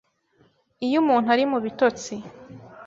Iyo umuntu ari mu bitotsi